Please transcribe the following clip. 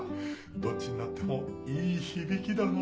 どっちになってもいい響きだな。